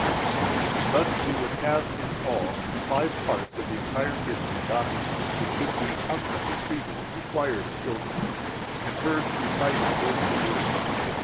24 Thus would have, in all, five parts of the entire Christian doctrine which should be constantly treated and required [of children], and heard recited word for word.